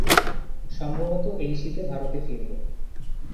সম্ভবত এই শীতে ভারতে ফিরব।